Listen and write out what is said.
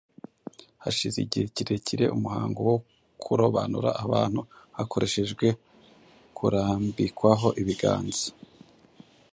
Hashize igihe kirekire umuhango wo kurobanura abantu hakoreshejwe kurambikwaho ibiganza